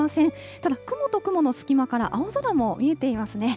ただ雲と雲の隙間から青空も見えていますね。